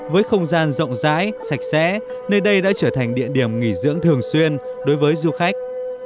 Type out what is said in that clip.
với không gian rộng rãi sạch sẽ nơi đây đã trở thành địa điểm nghỉ dưỡng thường xuyên đối với du khách